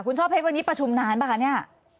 คุณช่อเพชรวันนี้ประชุมนานป่ะคะเนี่ย